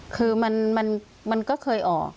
คือมันก็เคยออก